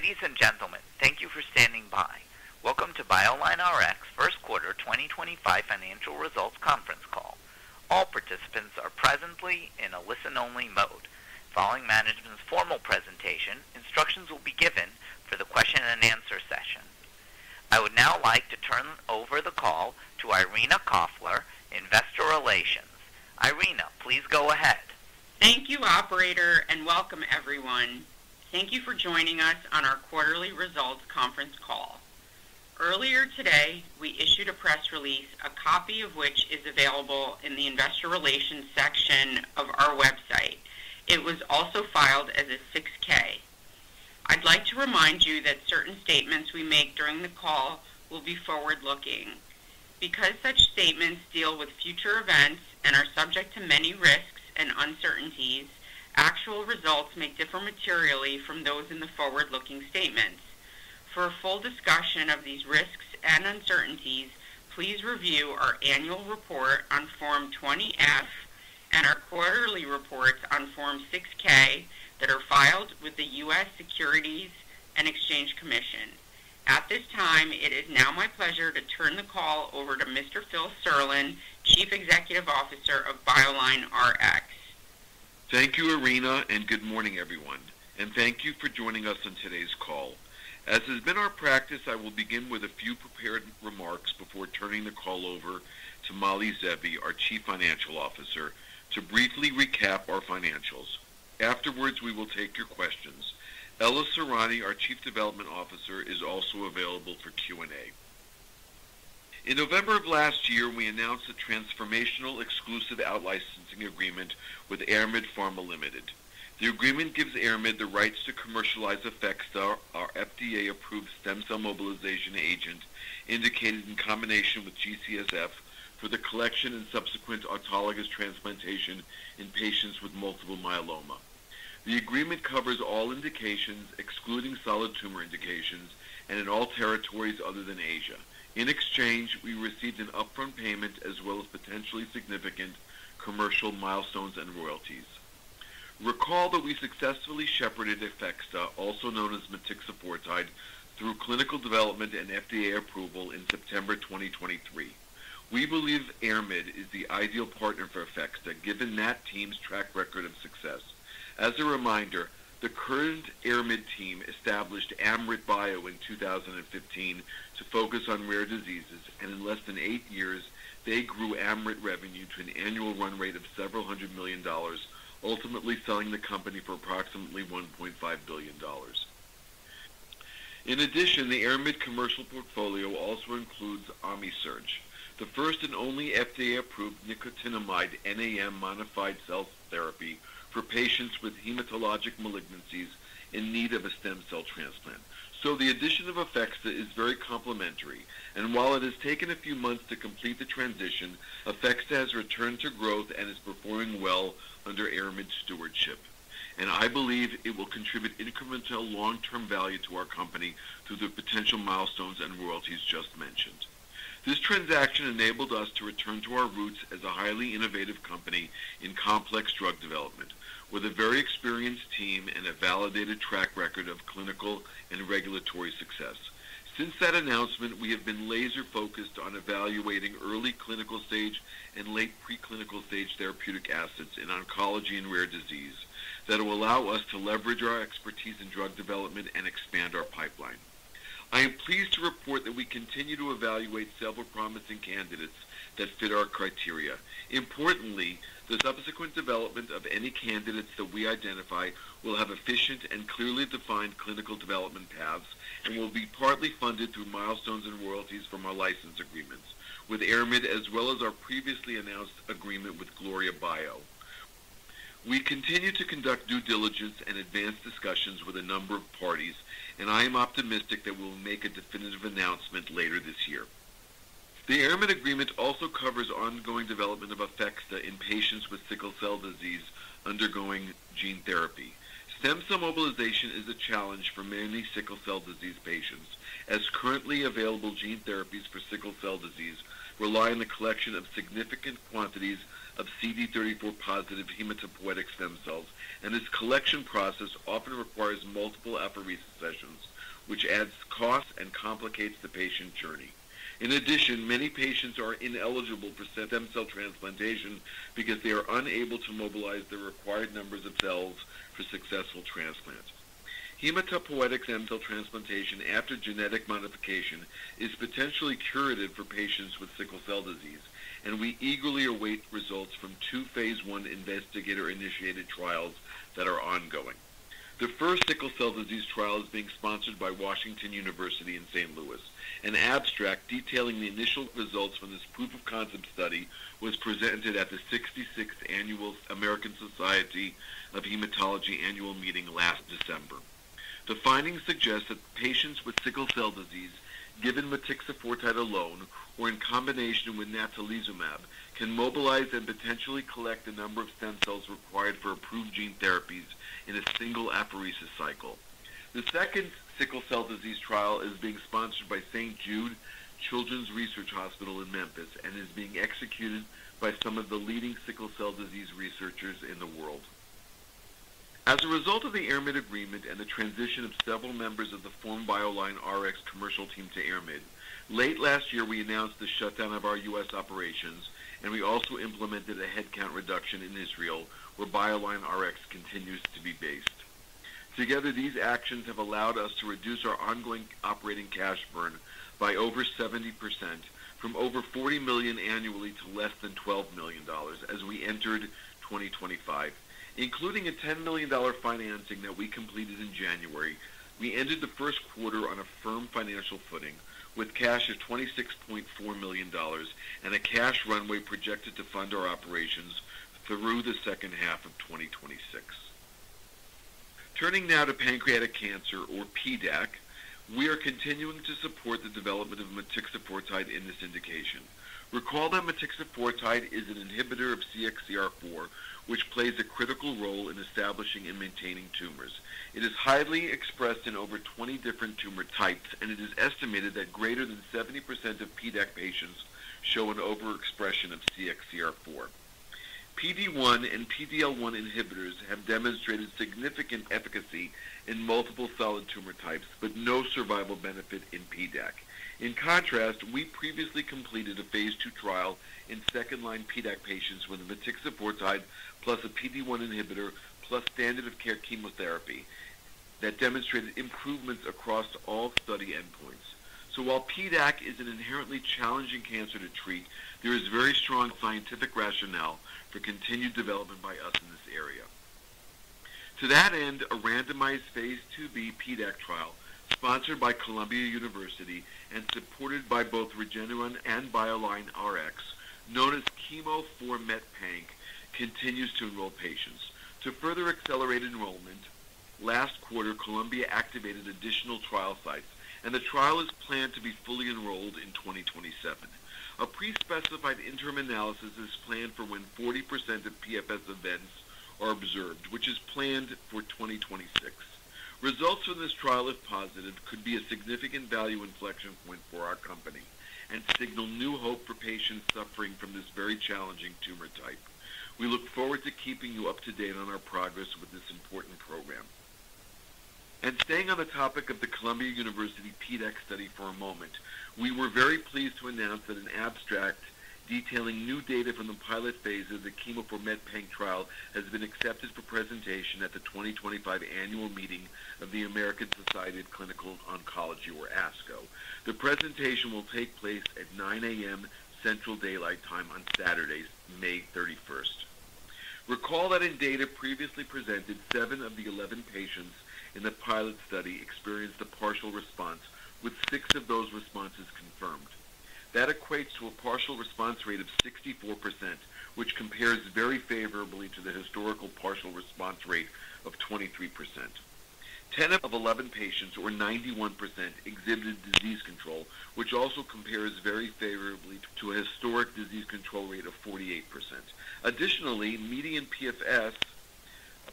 Ladies and gentlemen, thank you for standing by. Welcome to BioLineRx First Quarter 2025 Financial Results Conference Call. All participants are presently in a listen-only mode. Following management's formal presentation, instructions will be given for the question-and-answer session. I would now like to turn over the call to Irena Kohler, Investor Relations. Irena, please go ahead. Thank you, Operator, and welcome, everyone. Thank you for joining us on our quarterly results conference call. Earlier today, we issued a press release, a copy of which is available in the Investor Relations section of our website. It was also filed as a 6-K. I'd like to remind you that certain statements we make during the call will be forward-looking. Because such statements deal with future events and are subject to many risks and uncertainties, actual results may differ materially from those in the forward-looking statements. For a full discussion of these risks and uncertainties, please review our annual report on Form 20F and our quarterly reports on Form 6-K that are filed with the U.S. Securities and Exchange Commission. At this time, it is now my pleasure to turn the call over to Mr. Phil Serlin, Chief Executive Officer of BioLineRx. Thank you, Irena, and good morning, everyone. Thank you for joining us on today's call. As has been our practice, I will begin with a few prepared remarks before turning the call over to Mali Zeevi, our Chief Financial Officer, to briefly recap our financials. Afterwards, we will take your questions. Ella Sorani, our Chief Development Officer, is also available for Q&A. In November of last year, we announced a transformational exclusive outlicensing agreement with Aramid Pharma Limited. The agreement gives Aramid the rights to commercialize Effexta, our FDA-approved stem cell mobilization agent indicated in combination with G-CSF, for the collection and subsequent autologous transplantation in patients with multiple myeloma. The agreement covers all indications, excluding solid tumor indications, and in all territories other than Asia. In exchange, we received an upfront payment as well as potentially significant commercial milestones and royalties. Recall that we successfully shepherded Effexta, also known as metixafortide, through clinical development and FDA approval in September 2023. We believe Aramid is the ideal partner for Effexta, given that team's track record of success. As a reminder, the current Aramid team established Amryt Pharma in 2015 to focus on rare diseases, and in less than eight years, they grew Amryt revenue to an annual run rate of several hundred million dollars, ultimately selling the company for approximately $1.5 billion. In addition, the Aramid commercial portfolio also includes OmniSurge, the first and only FDA-approved nicotinamide-modified cell therapy for patients with hematologic malignancies in need of a stem cell transplant. The addition of Effexta is very complementary. While it has taken a few months to complete the transition, Effexta has returned to growth and is performing well under Aramid's stewardship. I believe it will contribute incremental long-term value to our company through the potential milestones and royalties just mentioned. This transaction enabled us to return to our roots as a highly innovative company in complex drug development, with a very experienced team and a validated track record of clinical and regulatory success. Since that announcement, we have been laser-focused on evaluating early clinical stage and late preclinical stage therapeutic assets in oncology and rare disease that will allow us to leverage our expertise in drug development and expand our pipeline. I am pleased to report that we continue to evaluate several promising candidates that fit our criteria. Importantly, the subsequent development of any candidates that we identify will have efficient and clearly defined clinical development paths and will be partly funded through milestones and royalties from our license agreements with Aramid, as well as our previously announced agreement with Gloria Bio. We continue to conduct due diligence and advanced discussions with a number of parties, and I am optimistic that we will make a definitive announcement later this year. The Aramid agreement also covers ongoing development of Effexta in patients with sickle cell disease undergoing gene therapy. Stem cell mobilization is a challenge for many sickle cell disease patients, as currently available gene therapies for sickle cell disease rely on the collection of significant quantities of CD34-positive hematopoietic stem cells, and this collection process often requires multiple apheresis sessions, which adds cost and complicates the patient's journey. In addition, many patients are ineligible for stem cell transplantation because they are unable to mobilize the required numbers of cells for successful transplants. Hematopoietic stem cell transplantation after genetic modification is potentially curative for patients with sickle cell disease, and we eagerly await results from two phase I investigator-initiated trials that are ongoing. The first sickle cell disease trial is being sponsored by Washington University in St. Louis, an abstract detailing the initial results when this proof of concept study was presented at the 66th Annual American Society of Hematology Annual Meeting last December. The findings suggest that patients with sickle cell disease, given metixafortide alone or in combination with natalizumab, can mobilize and potentially collect the number of stem cells required for approved gene therapies in a single apheresis cycle. The second sickle cell disease trial is being sponsored by St. Jude Children's Research Hospital in Memphis and is being executed by some of the leading sickle cell disease researchers in the world. As a result of the Aramid agreement and the transition of several members of the former BioLineRx commercial team to Aramid, late last year, we announced the shutdown of our U.S. operations, and we also implemented a headcount reduction in Israel, where BioLineRx continues to be based. Together, these actions have allowed us to reduce our ongoing operating cash burn by over 70%, from over $40 million annually to less than $12 million as we entered 2025. Including a $10 million financing that we completed in January, we ended the first quarter on a firm financial footing with cash of $26.4 million and a cash runway projected to fund our operations through the second half of 2026. Turning now to pancreatic cancer, or PDAC, we are continuing to support the development of metixafortide in this indication. Recall that metixafortide is an inhibitor of CXCR4, which plays a critical role in establishing and maintaining tumors. It is highly expressed in over 20 different tumor types, and it is estimated that greater than 70% of PDAC patients show an overexpression of CXCR4. PD-1 and PD-L1 inhibitors have demonstrated significant efficacy in multiple solid tumor types, but no survival benefit in PDAC. In contrast, we previously completed a phase II trial in second-line PDAC patients with metixafortide plus a PD-1 inhibitor plus standard of care chemotherapy that demonstrated improvements across all study endpoints. While PDAC is an inherently challenging cancer to treat, there is very strong scientific rationale for continued development by us in this area. To that end, a randomized phase IIB PDAC trial sponsored by Columbia University and supported by both Regeneron and BioLineRx, known as Chemo4MetPank, continues to enroll patients. To further accelerate enrollment, last quarter, Columbia activated additional trial sites, and the trial is planned to be fully enrolled in 2027. A pre-specified interim analysis is planned for when 40% of PFS events are observed, which is planned for 2026. Results from this trial, if positive, could be a significant value inflection point for our company and signal new hope for patients suffering from this very challenging tumor type. We look forward to keeping you up to date on our progress with this important program. Staying on the topic of the Columbia University PDAC study for a moment, we were very pleased to announce that an abstract detailing new data from the pilot phase of the Chemo4MetPank trial has been accepted for presentation at the 2025 Annual Meeting of the American Society of Clinical Oncology, or ASCO. The presentation will take place at 9:00 A.M. Central Daylight Time on Saturday, May 31. Recall that in data previously presented, seven of the 11 patients in the pilot study experienced a partial response, with six of those responses confirmed. That equates to a partial response rate of 64%, which compares very favorably to the historical partial response rate of 23%. Ten of 11 patients, or 91%, exhibited disease control, which also compares very favorably to a historic disease control rate of 48%. Additionally, median PFS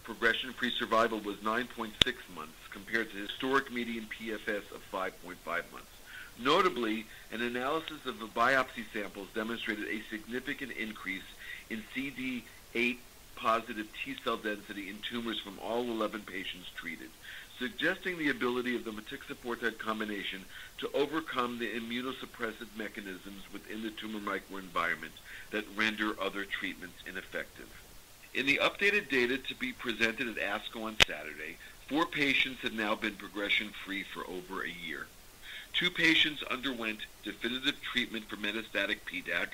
progression-free survival was 9.6 months compared to historic median PFS of 5.5 months. Notably, an analysis of the biopsy samples demonstrated a significant increase in CD8-positive T cell density in tumors from all 11 patients treated, suggesting the ability of the metixafortide combination to overcome the immunosuppressive mechanisms within the tumor microenvironment that render other treatments ineffective. In the updated data to be presented at ASCO on Saturday, four patients have now been progression-free for over a year. Two patients underwent definitive treatment for metastatic PDAC.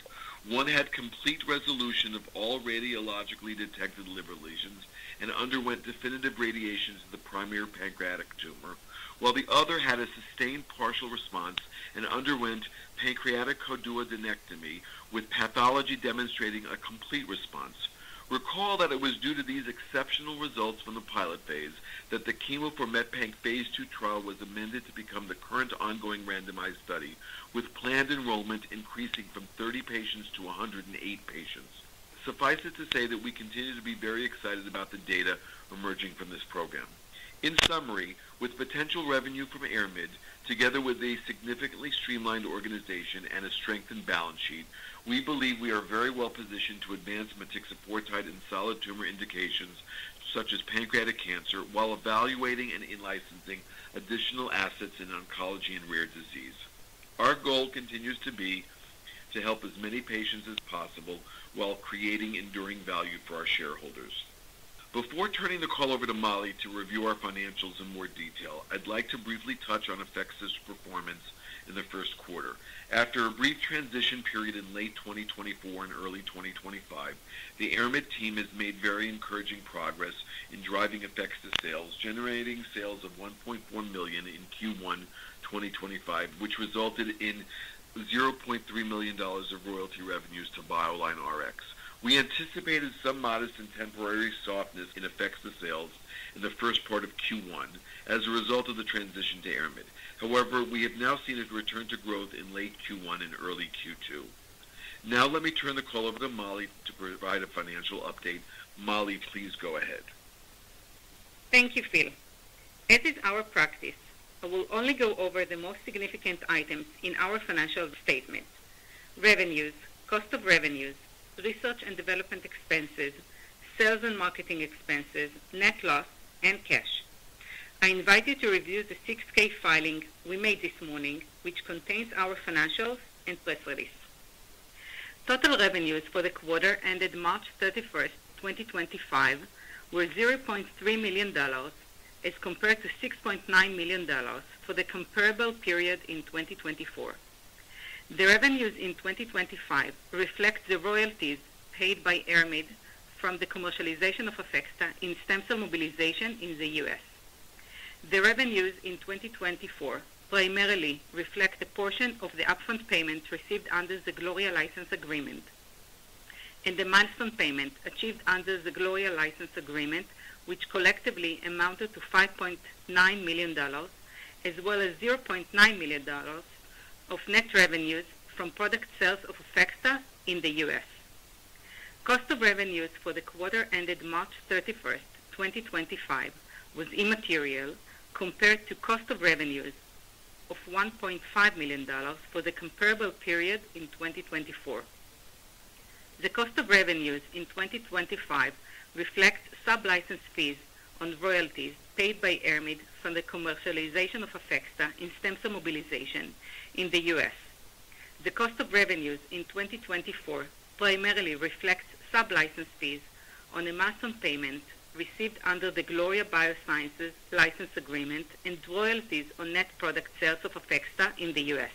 One had complete resolution of all radiologically detected liver lesions and underwent definitive radiation to the primary pancreatic tumor, while the other had a sustained partial response and underwent pancreatic choduodenectomy with pathology demonstrating a complete response. Recall that it was due to these exceptional results from the pilot phase that the Chemo4MetPank phase II trial was amended to become the current ongoing randomized study, with planned enrollment increasing from 30 patients to 108 patients. Suffice it to say that we continue to be very excited about the data emerging from this program. In summary, with potential revenue from Aramid, together with a significantly streamlined organization and a strengthened balance sheet, we believe we are very well positioned to advance metixafortide in solid tumor indications such as pancreatic cancer while evaluating and in-licensing additional assets in oncology and rare disease. Our goal continues to be to help as many patients as possible while creating enduring value for our shareholders. Before turning the call over to Mali to review our financials in more detail, I'd like to briefly touch on Effexta's performance in the first quarter. After a brief transition period in late 2024 and early 2025, the Aramid team has made very encouraging progress in driving Effexta sales, generating sales of $1.4 million in Q1 2025, which resulted in $0.3 million of royalty revenues to BioLineRx. We anticipated some modest and temporary softness in Effexta sales in the first part of Q1 as a result of the transition to Aramid. However, we have now seen a return to growth in late Q1 and early Q2. Now, let me turn the call over to Mali to provide a financial update. Mali, please go ahead. Thank you, Phil. This is our practice. I will only go over the most significant items in our financial statement: revenues, cost of revenues, research and development expenses, sales and marketing expenses, net loss, and cash. I invite you to review the 6K filing we made this morning, which contains our financials and press release. Total revenues for the quarter ended March 31, 2025, were $0.3 million as compared to $6.9 million for the comparable period in 2024. The revenues in 2025 reflect the royalties paid by Aramid from the commercialization of Effexta in stem cell mobilization in the U.S. The revenues in 2024 primarily reflect a portion of the upfront payment received under the Gloria License Agreement and the milestone payment achieved under the Gloria License Agreement, which collectively amounted to $5.9 million, as well as $0.9 million of net revenues from product sales of Effexta in the U.S. Cost of revenues for the quarter ended March 31, 2025, was immaterial compared to cost of revenues of $1.5 million for the comparable period in 2024. The cost of revenues in 2025 reflects sub-license fees on royalties paid by Aramid from the commercialization of Effexta in stem cell mobilization in the U.S. The cost of revenues in 2024 primarily reflects sub-license fees on a milestone payment received under the Gloria Biosciences License Agreement and royalties on net product sales of Effexta in the U.S.,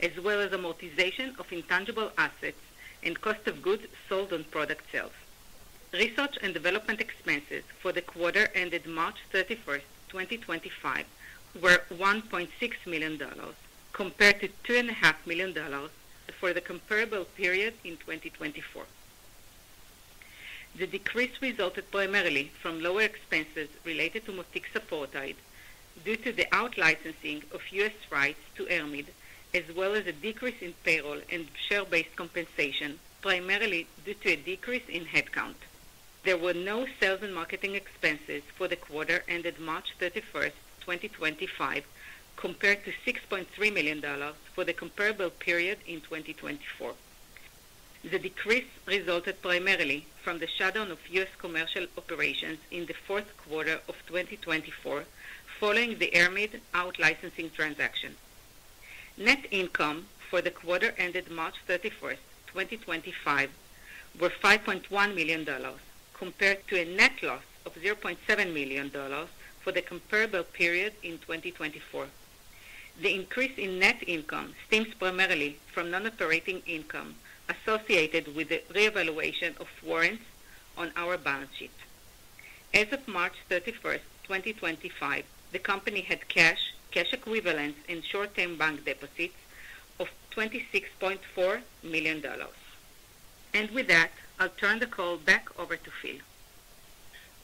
as well as amortization of intangible assets and cost of goods sold on product sales. Research and development expenses for the quarter ended March 31, 2025, were $1.6 million compared to $2.5 million for the comparable period in 2024. The decrease resulted primarily from lower expenses related to metixafortide due to the out-licensing of U.S. rights to Aramid, as well as a decrease in payroll and share-based compensation, primarily due to a decrease in headcount. There were no sales and marketing expenses for the quarter ended March 31, 2025, compared to $6.3 million for the comparable period in 2024. The decrease resulted primarily from the shutdown of U.S. commercial operations in the fourth quarter of 2024, following the Aramid out-licensing transaction. Net income for the quarter ended March 31, 2025, was $5.1 million compared to a net loss of $0.7 million for the comparable period in 2024. The increase in net income stems primarily from non-operating income associated with the re-evaluation of warrants on our balance sheet. As of March 31, 2025, the company had cash, cash equivalents, and short-term bank deposits of $26.4 million. I'll turn the call back over to Phil.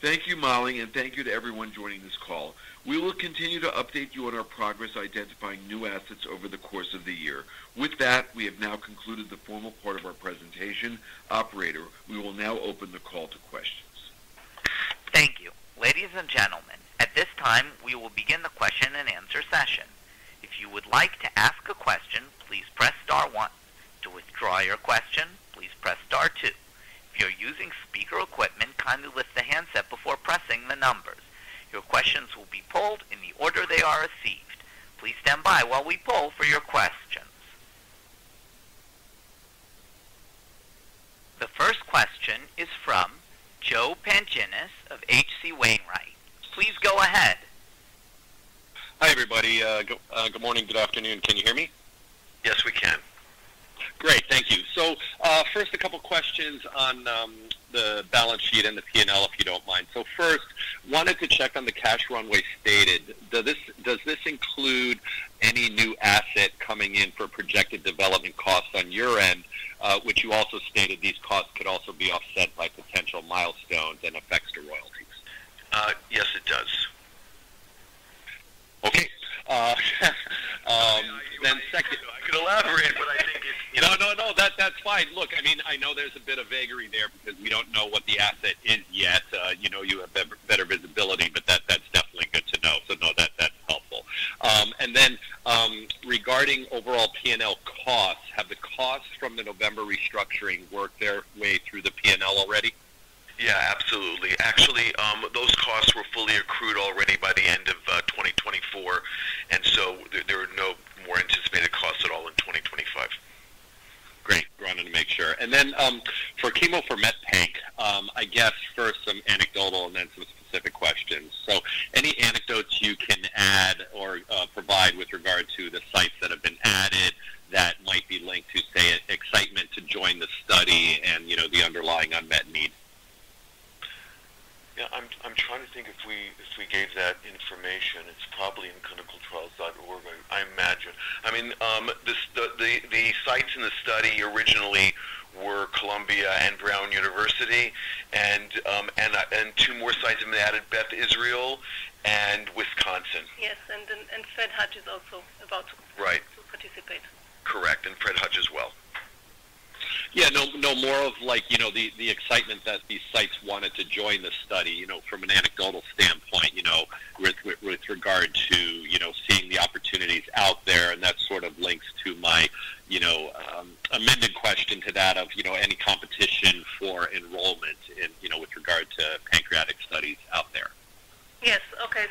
Thank you, Mali, and thank you to everyone joining this call. We will continue to update you on our progress identifying new assets over the course of the year. With that, we have now concluded the formal part of our presentation. Operator, we will now open the call to questions. Thank you. Ladies and gentlemen, at this time, we will begin the question and answer session. If you would like to ask a question, please press star one. To withdraw your question, please press star two. If you're using speaker equipment, kindly lift the handset before pressing the numbers. Your questions will be polled in the order they are received. Please stand by while we poll for your questions. The first question is from Joe Pantginis of HC Wainwright. Please go ahead. Hi, everybody. Good morning. Good afternoon. Can you hear me? Yes, we can. Great. Thank you. So first, a couple of questions on the balance sheet and the P&L, if you don't mind. So first, wanted to check on the cash runway stated. Does this include any new asset coming in for projected development costs on your end, which you also stated these costs could also Yeah. No, more of the excitement that these sites wanted to join the study from an anecdotal standpoint with regard to seeing the opportunities out there. That sort of links to my amended question to that of any competition for enrollment with regard to pancreatic studies out there. Yes. Okay.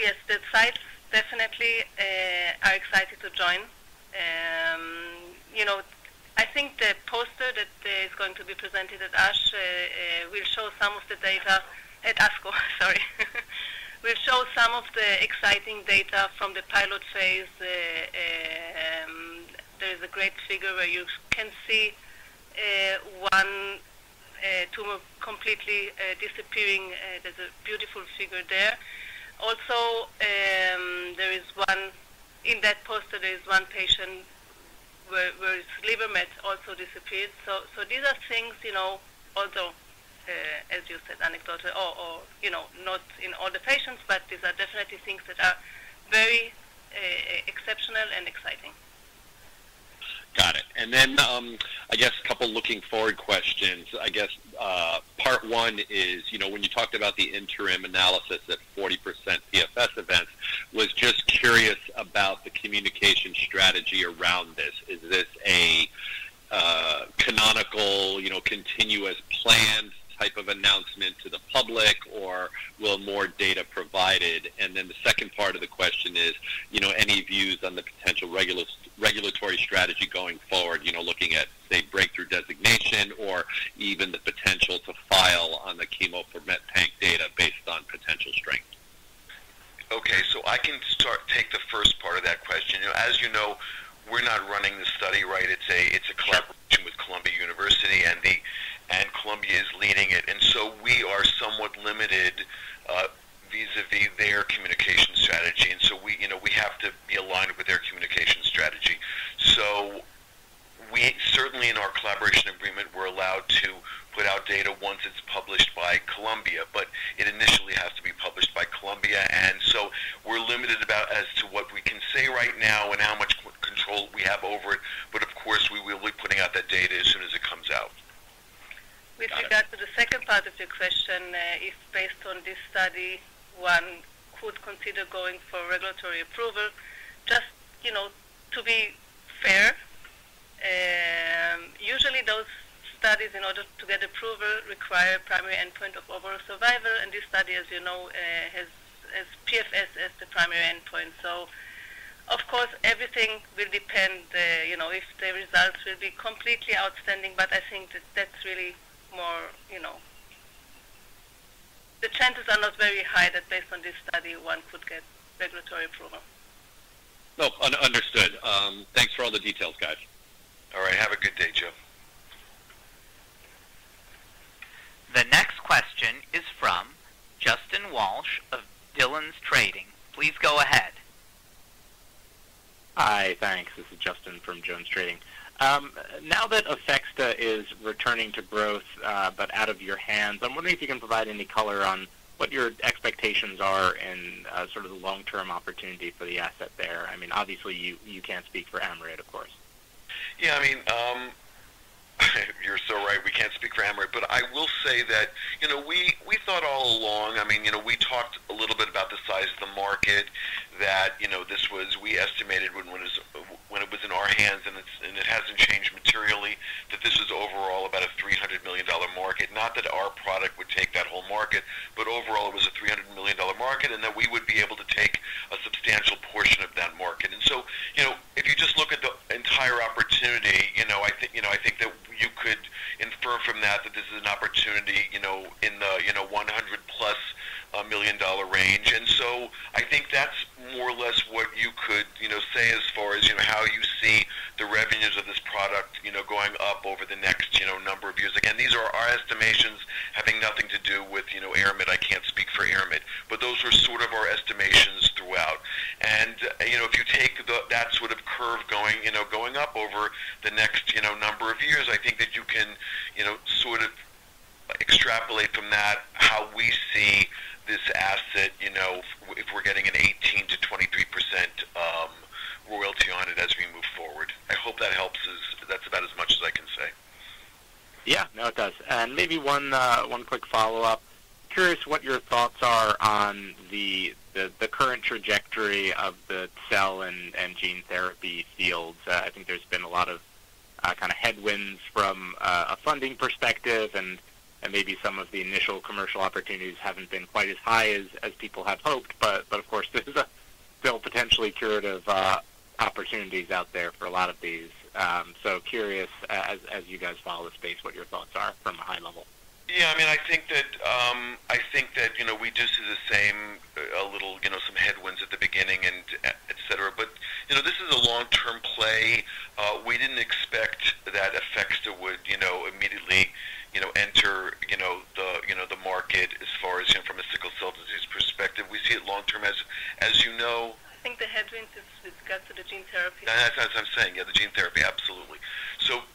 Yes, the sites definitely are excited to join. I think the poster that is going to be presented at ASH will show some of the data at ASCO. Sorry. Will show some of the exciting data from the pilot phase. There is a great figure where you can see one tumor completely disappearing. There is a beautiful figure there. Also, there is one in that poster, there is one patient where his liver met also disappeared. These are things, although, as you said, anecdotal or not in all the patients, but these are definitely things that are very exceptional and exciting. Got it. I guess a couple of looking forward questions. I guess part one is when you talked about the interim analysis at 40% PFS events, was just curious about the communication strategy around this. Is this a canonical continuous plan type of announcement to the public, or will more data be provided? Then the second part of the question is any views on the potential regulatory strategy going forward, looking at, say, breakthrough designation or even the potential to file on the Chemo4MetPank data based on potential strength? Okay. I can take the first part of that question. As you know, we're not running the study, right? It's a collaboration with Columbia University, and Columbia is leading it. We are somewhat limited vis-à-vis their communication strategy. We have to be aligned with their communication strategy. Certainly, in our collaboration agreement, we're allowed to put out data once it's published by Columbia, but it initially has to be published by Columbia. We are limited as to what we can say right now and how much control we have over it. Of course, we will be putting out that data as soon as it comes out. With regard to the second part of your question, if based on this study, one could consider going for regulatory approval, just to be fair, usually those studies, in order to get approval, require a primary endpoint of overall survival. This study, as you know, has PFS as the primary endpoint. Of course, everything will depend if the results will be completely outstanding, but I think that really the chances are not very high that based on this study, one could get regulatory approval. No, understood. Thanks for all the details, guys. All right. Have a good day, Joe. The next question is from Justin Walsh of Jones Trading. Please go ahead. Hi, thanks. This is Justin from Jones Trading. Now that Effexta is returning to growth but out of your hands, I'm wondering if you can provide any color on what your expectations are and sort of the long-term opportunity for the asset there. I mean, obviously, you can't speak for Amryt, of course. Yeah. I mean, you're so right. We can't speak for Amryt, but I will say that we thought all along, I mean, we talked a little bit about the size of the market, that this was we estimated when it was in our hands, and it hasn't changed materially, that this is overall about a $300 million market. Not that our product would take that whole market, but overall, it was a $300 million market and that we would be able to take a substantial portion of that market. If you just look at the entire opportunity, I think that you could infer from that that this is an opportunity in the $100 million-plus range. I think that's more or less what you could say as far as how you see the revenues of this product going up over the next number of years. Again, these are our estimations, having nothing to do with Aramid. I can't speak for Aramid, but those were sort of our estimations throughout. If you take that sort of curve going up over the next number of years, I think that you can sort of extrapolate from that how we see this asset if we're getting an 18%-23% royalty on it as we move forward. I hope that helps. That's about as much as I can say. Yeah. No, it does. Maybe one quick follow-up. Curious what your thoughts are on the current trajectory of the cell and gene therapy fields. I think there's been a lot of kind of headwinds from a funding perspective, and maybe some of the initial commercial opportunities haven't been quite as high as people had hoped. Of course, there's still potentially curative opportunities out there for a lot of these. Curious, as you guys follow the space, what your thoughts are from a high level. Yeah. I mean, I think that we just did the same, a little some headwinds at the beginning, etc. This is a long-term play. We didn't expect that Effexta would immediately enter the market as far as from a sickle cell disease perspective. We see it long-term. As you know. I think the headwinds with regards to the gene therapy. That's what I'm saying. Yeah, the gene therapy. Absolutely.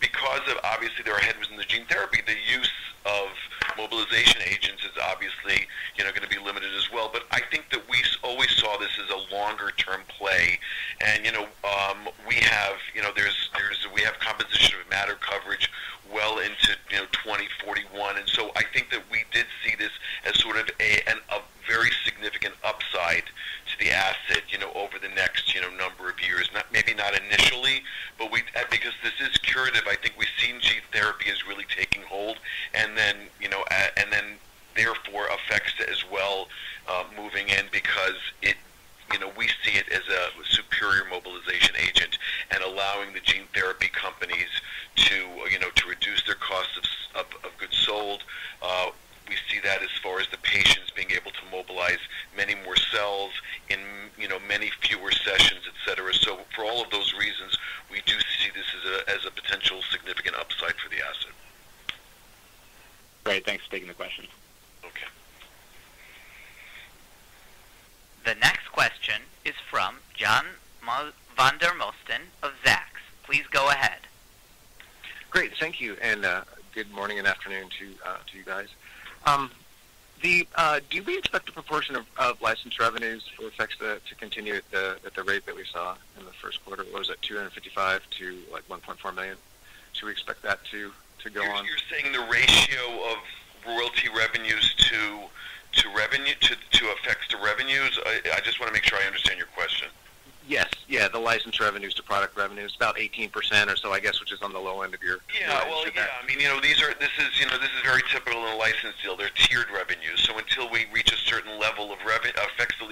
Because obviously, there are headwinds in the gene therapy, the use of mobilization agents is obviously going to be limited as well. I think that we always saw this as a longer-term play. We have composition of matter coverage well into 2041. I think that we did see this as sort of a very significant upside to the asset over the next number of years. Maybe not initially, but because this is curative, I think we've seen gene therapy is really taking hold. Therefore, Effexta as well moving in because we see it as a superior mobilization agent and allowing the gene therapy companies to reduce their cost of goods sold. We see that as far as the patients being able to mobilize many more cells in many fewer sessions, etc. For all of those reasons, we do see this as a potential significant upside for the asset. Great. Thanks for taking the question. Okay. The next question is from John Van der Molsten of Zaxe. Please go ahead. Great. Thank you. And good morning and afternoon to you guys. Do we expect the proportion of licensed revenues for Effexta to continue at the rate that we saw in the first quarter? What was it? $255,000 to $1.4 million? Should we expect that to go on? You're saying the ratio of royalty revenues to Effexta revenues? I just want to make sure I understand your question. Yes. Yeah. The licensed revenues to product revenues, about 18% or so, I guess, which is on the low end of your answer. Yeah. This is very typical of a licensed deal. They are tiered revenues. Until we reach a certain level of Effexta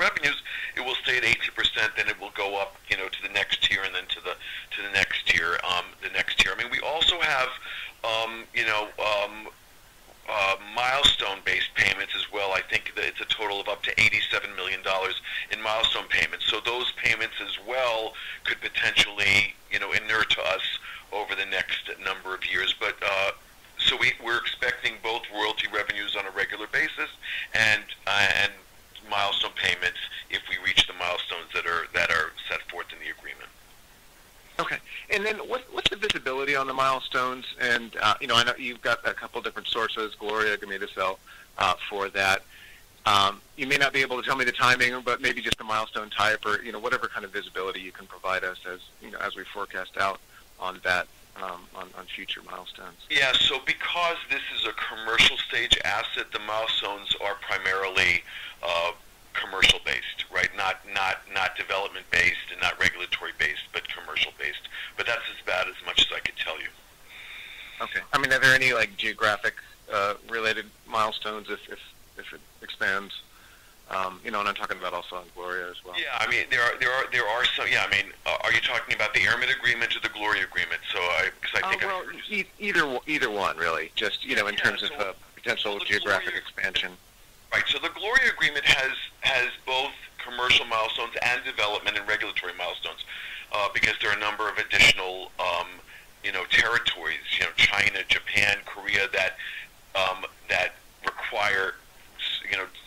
revenues, it will stay at 18%, then it will go up to the next tier and then to the next tier. I mean, we also have milestone-based payments as well. I think it's a total of up to $87 million in milestone payments. Those payments as well could potentially inure to us over the next number of years. We're expecting both royalty revenues on a regular basis and milestone payments if we reach the milestones that are set forth in the agreement. Okay. What's the visibility on the milestones? I know you've got a couple of different sources, Gloria, Kromidas, for that. You may not be able to tell me the timing, but maybe just the milestone type or whatever kind of visibility you can provide us as we forecast out on that on future milestones. Yeah. So because this is a commercial-stage asset, the milestones are primarily commercial-based, right? Not development-based and not regulatory-based, but commercial-based. That is as much as I could tell you. Okay. I mean, are there any geographic-related milestones if it expands? I am talking about also on Gloria as well. Yeah. I mean, there are some. Yeah. I mean, are you talking about the Aramid agreement or the Gloria agreement? Because I think I have heard you. Either one, really, just in terms of potential geographic expansion. Right. The Gloria agreement has both commercial milestones and development and regulatory milestones because there are a number of additional territories: China, Japan, Korea that require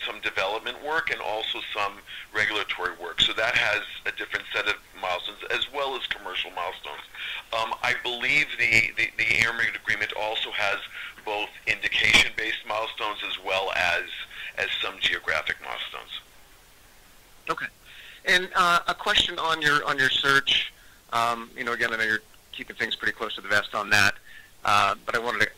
some development work and also some regulatory work. That has a different set of milestones as well as commercial milestones. I believe the Aramid agreement also has both indication-based milestones as well as some geographic milestones. Okay. A question on your search. Again, I know you're keeping things pretty close to the vest on that, but I wanted to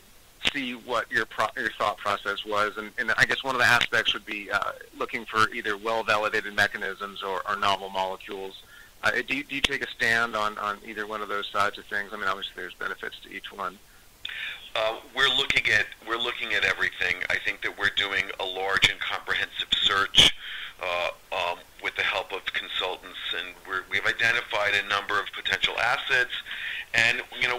see what your thought process was. I guess one of the aspects would be looking for either well-validated mechanisms or novel molecules. Do you take a stand on either one of those sides of things? I mean, obviously, there's benefits to each one. We're looking at everything. I think that we're doing a large and comprehensive search with the help of consultants, and we have identified a number of potential assets.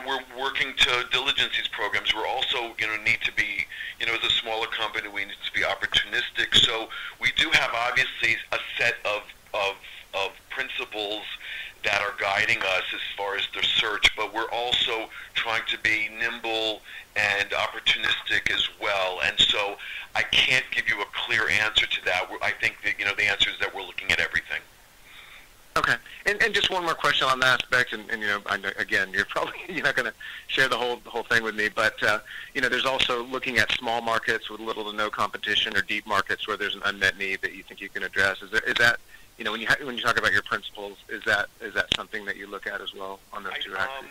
We're working to diligence these programs. We also need to be, as a smaller company, we need to be opportunistic. We do have, obviously, a set of principles that are guiding us as far as the search, but we're also trying to be nimble and opportunistic as well. I can't give you a clear answer to that. I think the answer is that we're looking at everything. Okay. Just one more question on that aspect. Again, you're probably not going to share the whole thing with me, but there's also looking at small markets with little to no competition or deep markets where there's an unmet need that you think you can address. Is that when you talk about your principles, is that something that you look at as well on those two axes?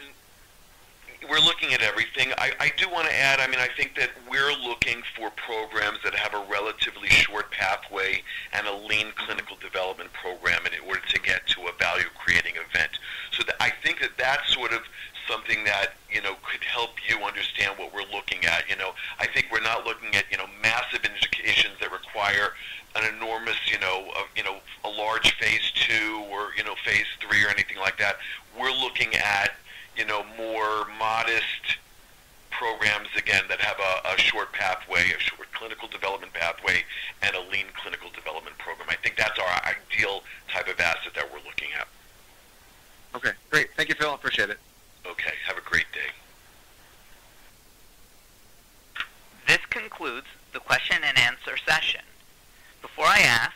We're looking at everything. I do want to add, I mean, I think that we're looking for programs that have a relatively short pathway and a lean clinical development program in order to get to a value-creating event. I think that that's sort of something that could help you understand what we're looking at. I think we're not looking at massive indications that require an enormous, a large phase two or phase three or anything like that. We're looking at more modest programs, again, that have a short pathway, a short clinical development pathway, and a lean clinical development program. I think that's our ideal type of asset that we're looking at. Okay. Great. Thank you, Phil. Appreciate it. Okay. Have a great day. This concludes the question and answer session. Before I ask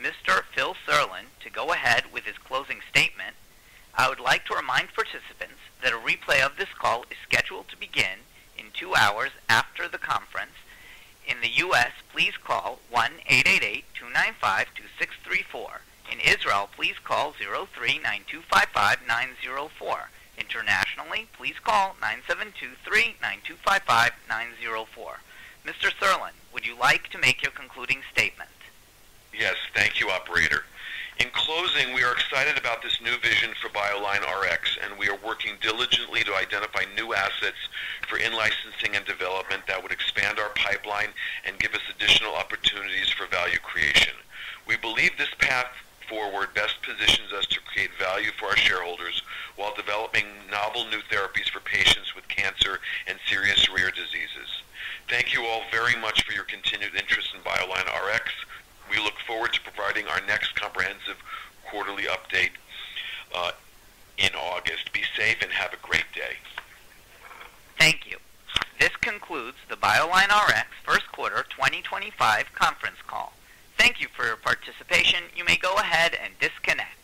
Mr. Phil Serlin to go ahead with his closing statement, I would like to remind participants that a replay of this call is scheduled to begin in two hours after the conference. In the U.S., please call 1-888-295-2634. In Israel, please call 039255904. Internationally, please call 972-392-55904. Mr. Serlin, would you like to make your concluding statement? Yes. Thank you, operator. In closing, we are excited about this new vision for BioLineRx, and we are working diligently to identify new assets for in-licensing and development that would expand our pipeline and give us additional opportunities for value creation. We believe this path forward best positions us to create value for our shareholders while developing novel new therapies for patients with cancer and serious rare diseases. Thank you all very much for your continued interest in BioLineRx. We look forward to providing our next comprehensive quarterly update in August. Be safe and have a great day. Thank you. This concludes the BioLineRx first quarter 2025 conference call. Thank you for your participation. You may go ahead and disconnect.